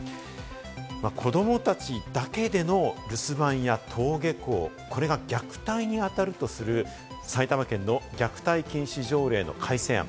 子供たちだけでの留守番や登下校、これが虐待にあたるとする埼玉県の虐待禁止条例の改正案。